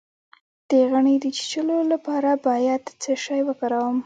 د غڼې د چیچلو لپاره باید څه شی وکاروم؟